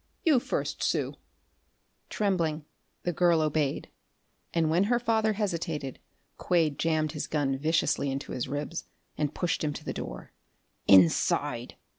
You first, Sue." Trembling, the girl obeyed, and when her father hesitated Quade jammed his gun viciously into his ribs and pushed him to the door. "Inside!"